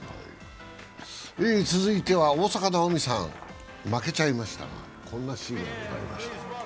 続いては大坂なおみさん、負けちゃいましたが、こんなシーンがありました。